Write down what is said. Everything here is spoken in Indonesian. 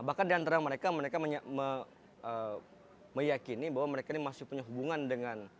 bahkan diantara mereka mereka meyakini bahwa mereka ini masih punya hubungan dengan